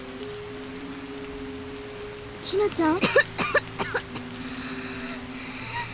ひなちゃん？